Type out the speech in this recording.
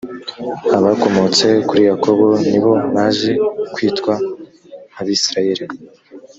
abakomotse kuri yakobo ni bo baje kwitwa abisirayeli